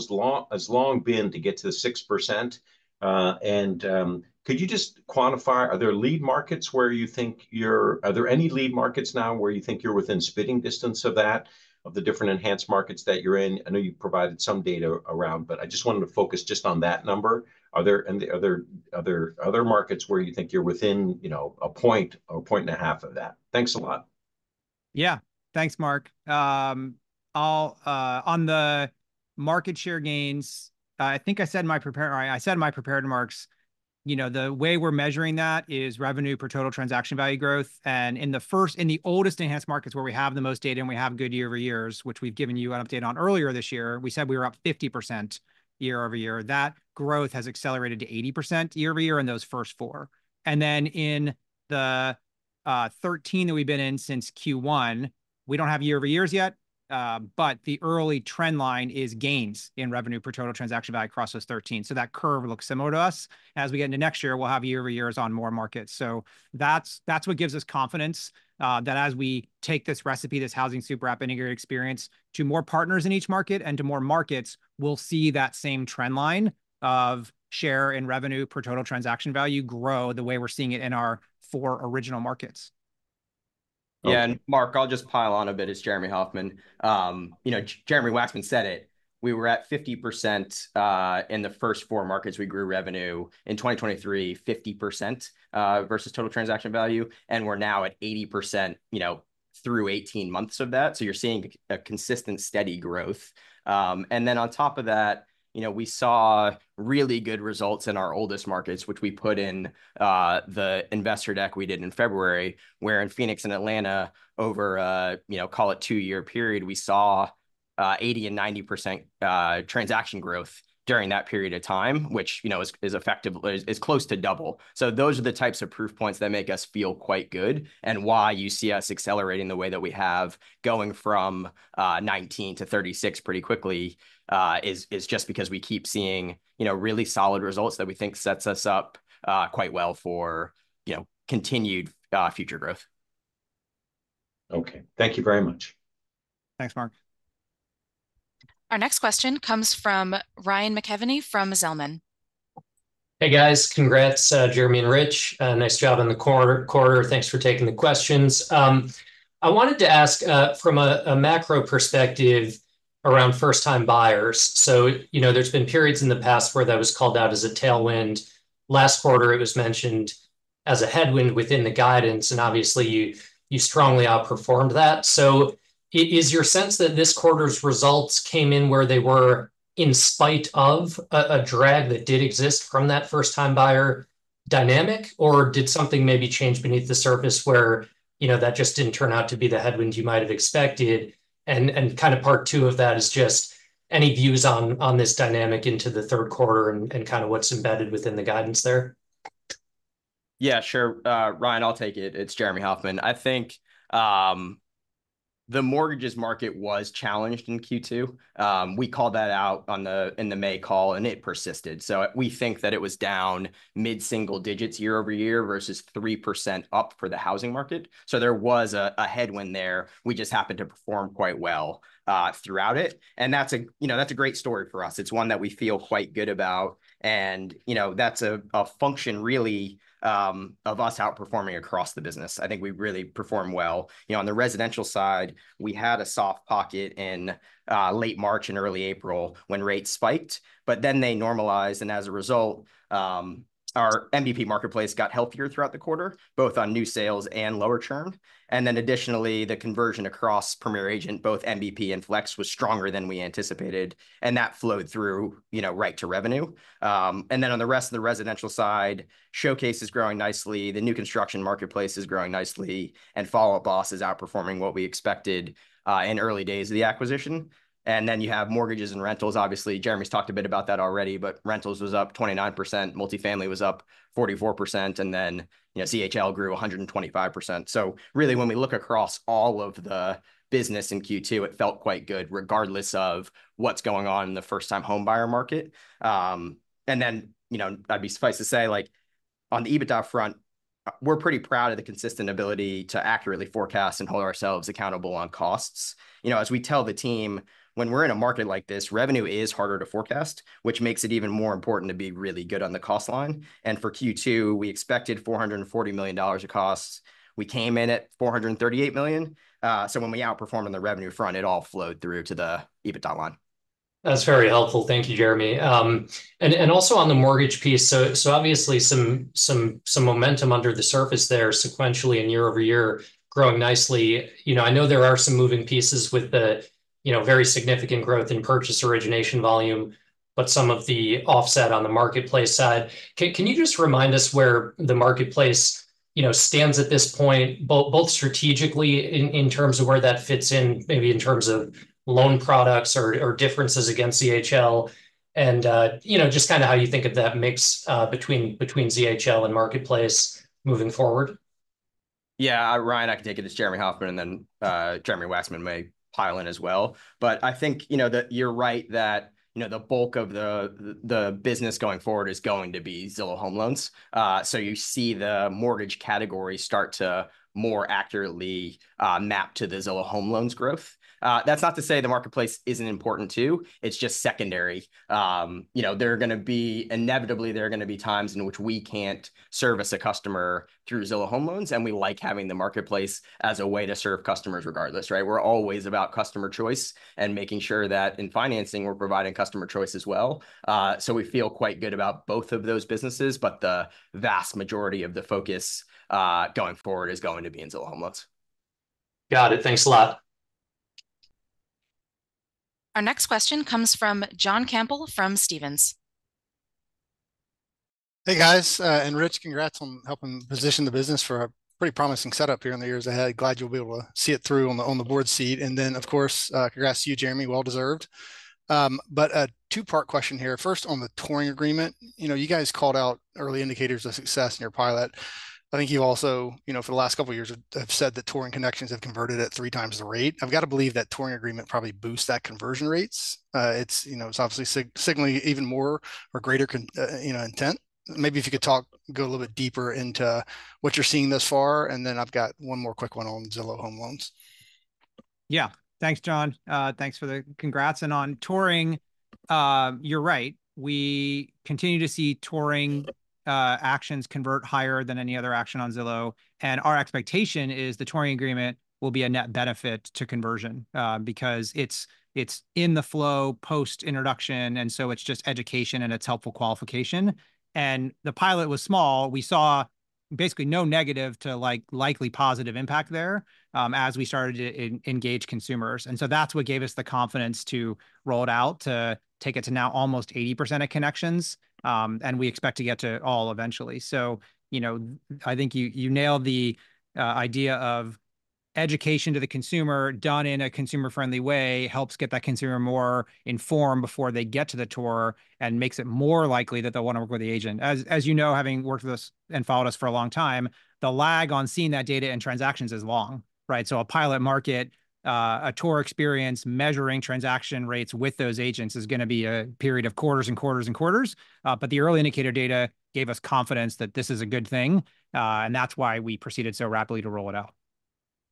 has long been to get to the 6%. And could you just quantify, are there lead markets where you think you're, are there any lead markets now where you think you're within spitting distance of that, of the different Enhanced Markets that you're in? I know you've provided some data around, but I just wanted to focus just on that number. Are there any other markets where you think you're within, you know, a point or a point and a half of that? Thanks a lot. Yeah, thanks, Mark. I'll, on the market share gains, I think I said in my prepared remarks, you know, the way we're measuring that is revenue per total transaction value growth. And in the oldest Enhanced Markets where we have the most data and we have good year-over-year, which we've given you an update on earlier this year, we said we were up 50% year-over-year. That growth has accelerated to 80% year-over-year in those first four. And then in the 13 that we've been in since Q1, we don't have year over years yet, but the early trend line is gains in revenue per total transaction value across those 13. So that curve looks similar to us. As we get into next year, we'll have year over years on more markets. So that's, that's what gives us confidence, that as we take this recipe, this Housing Super App integrated experience to more partners in each market and to more markets, we'll see that same trend line of share in revenue per total transaction value grow the way we're seeing it in our four original markets. Yeah, and Mark, I'll just pile on a bit as Jeremy Hofmann. You know, Jeremy Wacksman said it. We were at 50%, in the first 4 markets we grew revenue in 2023, 50%, versus total transaction value. We're now at 80%, you know, through 18 months of that. You're seeing a consistent steady growth. and then on top of that, you know, we saw really good results in our oldest markets, which we put in, the investor deck we did in February, where in Phoenix and Atlanta, over, you know, call it two year period, we saw, 80% and 90%, transaction growth during that period of time, which, you know, is, is effective, is close to double. Those are the types of proof points that make us feel quite good and why you see us accelerating the way that we have going from, 19-36 pretty quickly, is, is just because we keep seeing, you know, really solid results that we think sets us up, quite well for, you know, continued, future growth. Okay, thank you very much. Thanks, Mark. Our next question comes from Ryan McKeveny from Zelman. Hey guys, congrats, Jeremy and Rich. Nice job in the quarter. Thanks for taking the questions. I wanted to ask, from a macro perspective around first-time buyers. So, you know, there's been periods in the past where that was called out as a tailwind. Last quarter, it was mentioned as a headwind within the guidance, and obviously you strongly outperformed that. So is your sense that this quarter's results came in where they were in spite of a drag that did exist from that first-time buyer dynamic, or did something maybe change beneath the surface where, you know, that just didn't turn out to be the headwind you might have expected? And kind of part two of that is just any views on this dynamic into the third quarter and kind of what's embedded within the guidance there? Yeah, sure. Ryan, I'll take it. It's Jeremy Hofmann. I think the mortgage market was challenged in Q2. We called that out on the call in May, and it persisted. So we think that it was down mid-single digits year-over-year versus 3% up for the housing market. So there was a headwind there. We just happened to perform quite well throughout it. And that's a, you know, that's a great story for us. It's one that we feel quite good about. And, you know, that's a function really of us outperforming across the business. I think we really performed well. You know, on the residential side, we had a soft pocket in late March and early April when rates spiked, but then they normalized. And as a result, our MBP marketplace got healthier throughout the quarter, both on new sales and lower churn. And then additionally, the conversion across Premier Agent, both MBP and Flex, was stronger than we anticipated. And that flowed through, you know, right to revenue. And then on the rest of the residential side, Showcase is growing nicely. The new construction marketplace is growing nicely. And Follow Up Boss is outperforming what we expected, in early days of the acquisition. And then you have mortgages and rentals. Obviously, Jeremy's talked a bit about that already, but Rentals was up 29%, multifamily was up 44%, and then, you know, ZHL grew 125%. So really, when we look across all of the business in Q2, it felt quite good regardless of what's going on in the first-time home buyer market. And then, you know, I'd suffice to say, like on the EBITDA front, we're pretty proud of the consistent ability to accurately forecast and hold ourselves accountable on costs. You know, as we tell the team, when we're in a market like this, revenue is harder to forecast, which makes it even more important to be really good on the cost line. And for Q2, we expected $440 million of costs. We came in at $438 million. So when we outperformed on the revenue front, it all flowed through to the EBITDA line. That's very helpful. Thank you, Jeremy. And also on the mortgage piece, so obviously some momentum under the surface there sequentially and year over year growing nicely. You know, I know there are some moving pieces with the, you know, very significant growth in purchase origination volume, but some of the offset on the marketplace side. Can you just remind us where the marketplace, you know, stands at this point, both strategically in terms of where that fits in, maybe in terms of loan products or differences against ZHL and, you know, just kind of how you think of that mix between ZHL and marketplace moving forward? Yeah, Ryan, I can take it to Jeremy Hofmann and then Jeremy Wacksman may pile in as well. But I think, you know, that you're right that, you know, the bulk of the business going forward is going to be Zillow Home Loans. So you see the mortgage category start to more accurately map to the Zillow Home Loans growth. That's not to say the marketplace isn't important too. It's just secondary. You know, inevitably there are going to be times in which we can't service a customer through Zillow Home Loans. And we like having the marketplace as a way to serve customers regardless, right? We're always about customer choice and making sure that in financing we're providing customer choice as well. So we feel quite good about both of those businesses, but the vast majority of the focus, going forward is going to be in Zillow Home Loans. Got it. Thanks a lot. Our next question comes from John Campbell from Stephens. Hey guys, and Rich, congrats on helping position the business for a pretty promising setup here in the years ahead. Glad you'll be able to see it through on the, on the board seat. And then, of course, congrats to you, Jeremy, well deserved. But a two part question here. First, on the housing super app, you know, you guys called out early indicators of success in your pilot. I think you also, you know, for the last couple of years have said that touring connections have converted at 3x the rate. I've got to believe that housing super app probably boosts that conversion rates. It's, you know, it's obviously signaling even more or greater, you know, intent. Maybe if you could talk, go a little bit deeper into what you're seeing thus far. And then I've got one more quick one on Zillow Home Loans. Yeah, thanks, John. Thanks for the congrats. And on touring, you're right. We continue to see touring actions convert higher than any other action on Zillow. And our expectation is the housing super app will be a net benefit to conversion, because it's, it's in the flow post-introduction. And so it's just education and it's helpful qualification. And the pilot was small. We saw basically no negative to like likely positive impact there, as we started to engage consumers. And so that's what gave us the confidence to roll it out, to take it to now almost 80% of connections. And we expect to get to all eventually. So, you know, I think you nailed the idea of education to the consumer done in a consumer-friendly way helps get that consumer more informed before they get to the tour and makes it more likely that they'll want to work with the agent. As you know, having worked with us and followed us for a long time, the lag on seeing that data and transactions is long, right? So a pilot market, a tour experience measuring transaction rates with those agents is going to be a period of quarters and quarters and quarters. But the early indicator data gave us confidence that this is a good thing, and that's why we proceeded so rapidly to roll it out.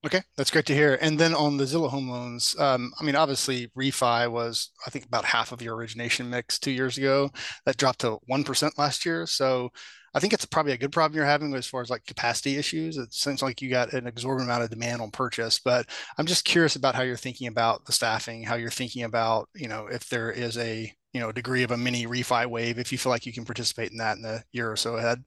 Okay, that's great to hear. And then on the Zillow Home Loans, I mean, obviously refi was, I think, about half of your origination mix two years ago. That dropped to 1% last year. So I think it's probably a good problem you're having as far as like capacity issues. It seems like you got an exorbitant amount of demand on purchase, but I'm just curious about how you're thinking about the staffing, how you're thinking about, you know, if there is a, you know, degree of a mini refi wave, if you feel like you can participate in that in the year or so ahead.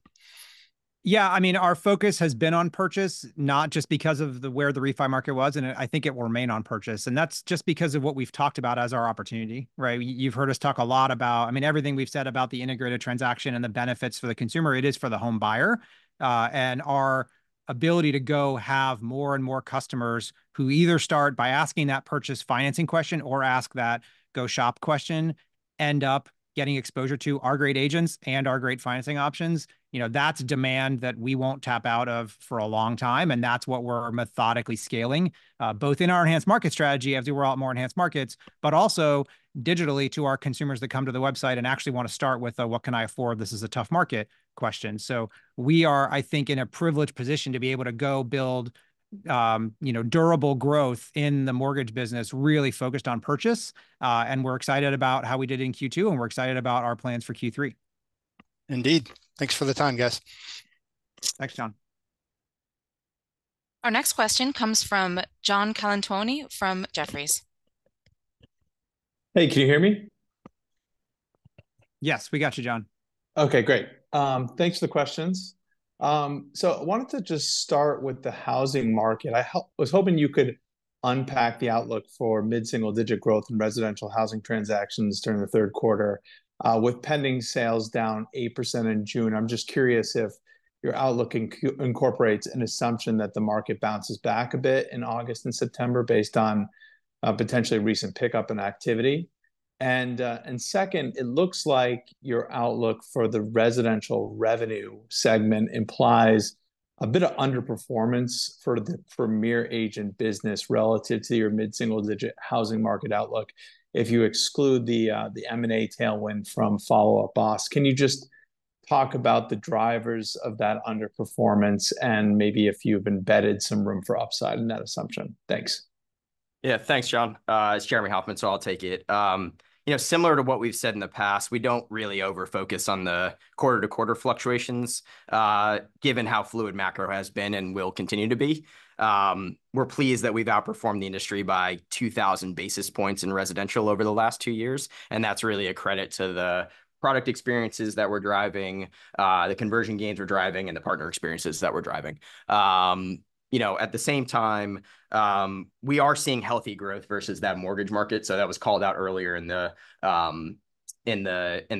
Yeah, I mean, our focus has been on purchase, not just because of the, where the refi market was, and I think it will remain on purchase. And that's just because of what we've talked about as our opportunity, right? You've heard us talk a lot about, I mean, everything we've said about the integrated transaction and the benefits for the consumer. It is for the home buyer, and our ability to go have more and more customers who either start by asking that purchase financing question or ask that go shop question end up getting exposure to our great agents and our great financing options. You know, that's demand that we won't tap out of for a long time. And that's what we're methodically scaling, both in our enhanced market strategy as we roll out more Enhanced Markets, but also digitally to our consumers that come to the website and actually want to start with a, what can I afford? This is a tough market question. So we are, I think, in a privileged position to be able to go build, you know, durable growth in the mortgage business really focused on purchase. We're excited about how we did in Q2 and we're excited about our plans for Q3. Indeed. Thanks for the time, guys. Thanks, John. Our next question comes from John Colantuoni from Jefferies. Hey, can you hear me? Yes, we got you, John. Okay, great. Thanks for the questions. So I wanted to just start with the housing market. I was hoping you could unpack the outlook for mid-single-digit growth in residential housing transactions during the third quarter, with pending sales down 8% in June. I'm just curious if your outlook incorporates an assumption that the market bounces back a bit in August and September based on, potentially recent pickup in activity. And, and second, it looks like your outlook for the residential revenue segment implies a bit of underperformance for the Premier Agent business relative to your mid-single-digit housing market outlook. If you exclude the M&A tailwind from Follow Up Boss, can you just talk about the drivers of that underperformance and maybe if you've embedded some room for upside in that assumption? Thanks. Yeah, thanks, John. It's Jeremy Hofmann, so I'll take it. You know, similar to what we've said in the past, we don't really over-focus on the quarter-to-quarter fluctuations, given how fluid macro has been and will continue to be. We're pleased that we've outperformed the industry by 2,000 basis points in residential over the last two years. And that's really a credit to the product experiences that we're driving, the conversion gains we're driving, and the partner experiences that we're driving. You know, at the same time, we are seeing healthy growth versus that mortgage market. So that was called out earlier in the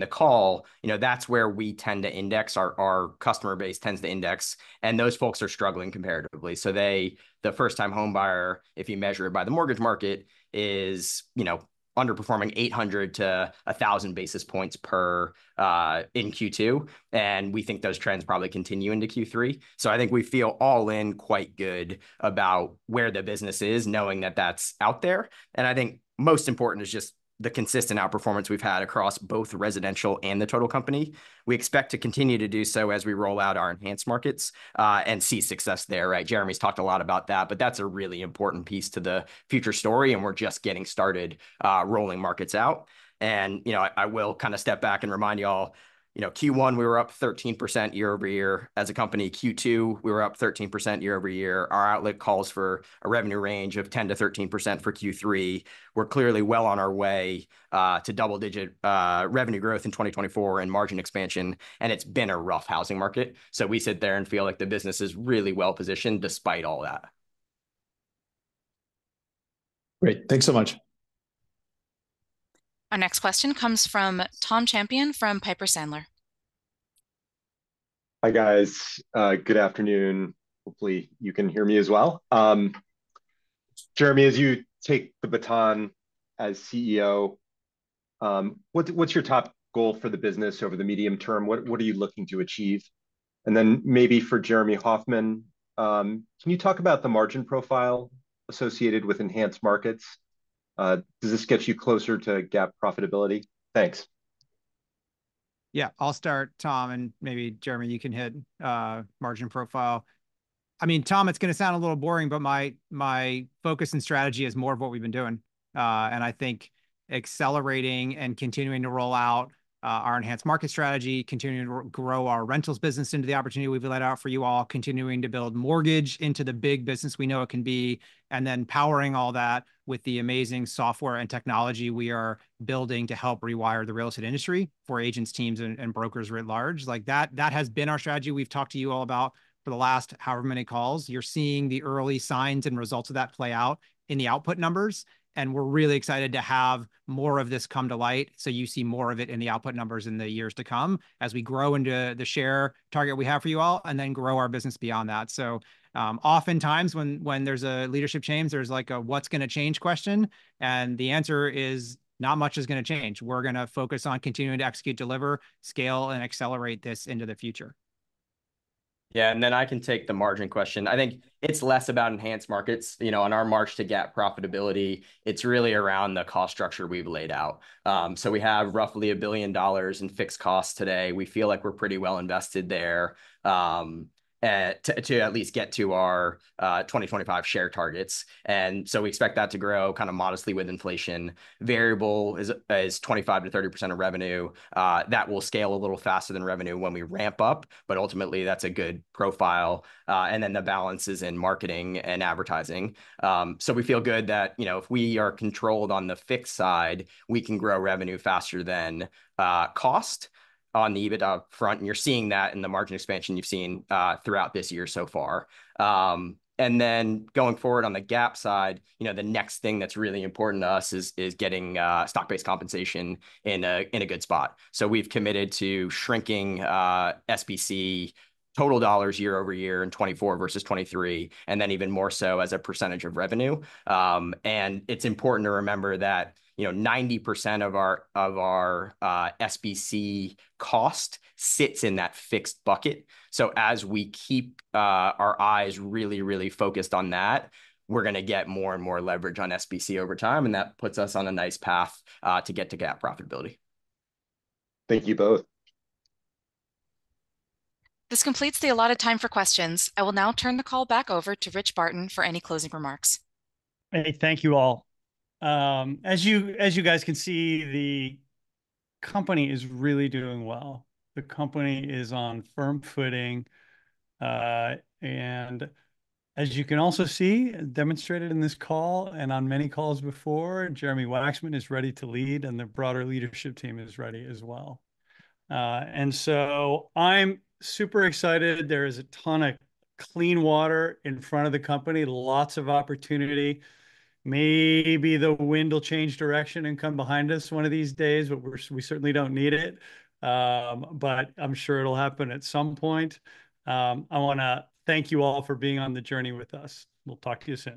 call, you know, that's where we tend to index our customer base tends to index. And those folks are struggling comparatively. So they, the first-time home buyer, if you measure it by the mortgage market, is, you know, underperforming 800-1,000 basis points per in Q2. And we think those trends probably continue into Q3. So I think we feel all in quite good about where the business is, knowing that that's out there. And I think most important is just the consistent outperformance we've had across both residential and the total company. We expect to continue to do so as we roll out our Enhanced Markets, and see success there. Right. Jeremy's talked a lot about that, but that's a really important piece to the future story. And we're just getting started, rolling markets out. And, you know, I will kind of step back and remind y'all, you know, Q1 we were up 13% year over year as a company. Q2 we were up 13% year over year. Our outlook calls for a revenue range of 10%-13% for Q3. We're clearly well on our way to double-digit revenue growth in 2024 and margin expansion. And it's been a rough housing market. So we sit there and feel like the business is really well positioned despite all that. Great. Thanks so much. Our next question comes from Tom Champion from Piper Sandler. Hi, guys. Good afternoon. Hopefully you can hear me as well. Jeremy, as you take the baton as CEO, what's, what's your top goal for the business over the medium term? What, what are you looking to achieve? And then maybe for Jeremy Hofmann, can you talk about the margin profile associated with Enhanced Markets? Does this get you closer to GAAP profitability? Thanks. Yeah, I'll start, Tom, and maybe Jeremy, you can hit margin profile. I mean, Tom, it's going to sound a little boring, but my focus and strategy is more of what we've been doing. And I think accelerating and continuing to roll out our enhanced market strategy, continuing to grow our rentals business into the opportunity we've laid out for you all, continuing to build mortgage into the big business we know it can be, and then powering all that with the amazing software and technology we are building to help rewire the real estate industry for agents, teams, and brokers writ large. Like that, that has been our strategy. We've talked to you all about for the last however many calls. You're seeing the early signs and results of that play out in the output numbers. And we're really excited to have more of this come to light. So you see more of it in the output numbers in the years to come as we grow into the share target we have for you all and then grow our business beyond that. So, oftentimes when there's a leadership change, there's like a, what's going to change question. And the answer is not much is going to change. We're going to focus on continuing to execute, deliver, scale, and accelerate this into the future. Yeah. And then I can take the margin question. I think it's less about Enhanced Markets, you know, on our march to GAAP profitability. It's really around the cost structure we've laid out. So we have roughly $1 billion in fixed costs today. We feel like we're pretty well invested there, to at least get to our 2025 share targets. So we expect that to grow kind of modestly with inflation. Variable is 25%-30% of revenue, that will scale a little faster than revenue when we ramp up, but ultimately that's a good profile. And then the balance is in marketing and advertising. So we feel good that, you know, if we are controlled on the fixed side, we can grow revenue faster than cost on the EBITDA front. And you're seeing that in the margin expansion you've seen throughout this year so far. And then going forward on the GAAP side, you know, the next thing that's really important to us is getting stock-based compensation in a good spot. So we've committed to shrinking SBC total dollars year-over-year in 2024 versus 2023, and then even more so as a percentage of revenue. It's important to remember that, you know, 90% of our SBC cost sits in that fixed bucket. So as we keep our eyes really, really focused on that, we're going to get more and more leverage on SBC over time. And that puts us on a nice path to get to GAAP profitability. Thank you both. This completes the allotted time for questions. I will now turn the call back over to Rich Barton for any closing remarks. Hey, thank you all. As you guys can see, the company is really doing well. The company is on firm footing. As you can also see, demonstrated in this call and on many calls before, Jeremy Wacksman is ready to lead and the broader leadership team is ready as well. So I'm super excited. There is a ton of clean water in front of the company, lots of opportunity. Maybe the wind will change direction and come behind us one of these days, but we're, we certainly don't need it. I'm sure it'll happen at some point. I want to thank you all for being on the journey with us. We'll talk to you soon.